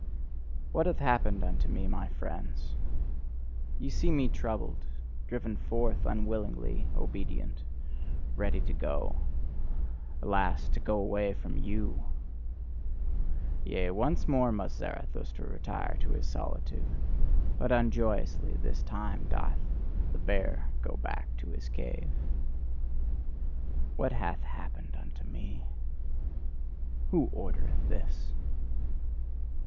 What hath happened unto me, my friends? Ye see me troubled, driven forth, unwillingly obedient, ready to go alas, to go away from YOU! Yea, once more must Zarathustra retire to his solitude: but unjoyously this time doth the bear go back to his cave! What hath happened unto me? Who ordereth this?